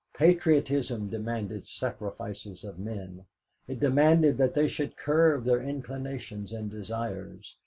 Patriotism demanded sacrifices of men, it demanded that they should curb their inclinations and desires.